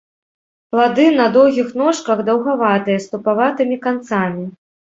Плады на доўгіх ножках, даўгаватыя, з тупаватымі канцамі.